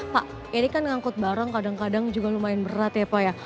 pak ini kan ngangkut barang kadang kadang juga lumayan berat ya pak ya